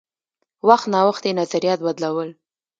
وخت نا وخت یې نظریات بدلول.